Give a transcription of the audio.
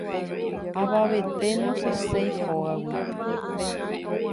Avavete nosẽséi hógagui.